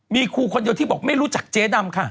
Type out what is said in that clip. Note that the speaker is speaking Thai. มีครูคนเดียวที่บอกไม่รู้จักเจ๊ดำค่ะ